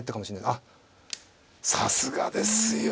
あっさすがですよ。